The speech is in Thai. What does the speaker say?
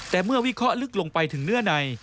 แต่เมื่อวิเคราะห์ลึกลงไปถึงเนื้อใน